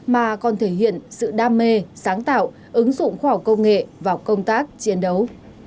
mà còn thể hiện sự đam mê sáng tạo ứng dụng khoa học công nghệ vào công tác chiến đấu